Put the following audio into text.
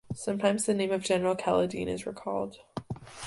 Sometimes the name of General Kaledin is recalled.